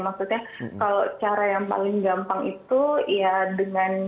maksudnya kalau cara yang paling gampang itu ya dengan